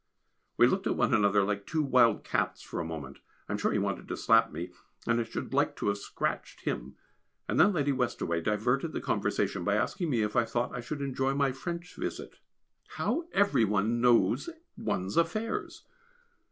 We looked at one another like two wild cats for a moment. I am sure he wanted to slap me, and I should like to have scratched him, and then Lady Westaway diverted the conversation by asking me if I thought I should enjoy my French visit (how every one knows one's affairs!).